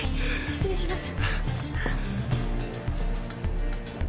失礼します。